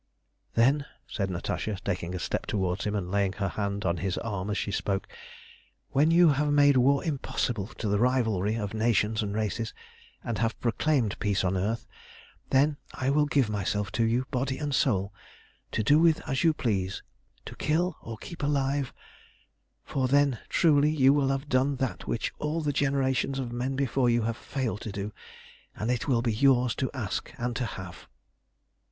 "Then," said Natasha, taking a step towards him, and laying her hand on his arm as she spoke, "when you have made war impossible to the rivalry of nations and races, and have proclaimed peace on earth, then I will give myself to you, body and soul, to do with as you please, to kill or to keep alive, for then truly you will have done that which all the generations of men before you have failed to do, and it will be yours to ask and to have."